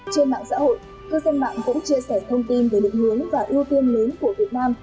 trên mạng xã hội cư dân mạng cũng chia sẻ thông tin về định hướng và ưu tiên lớn của việt nam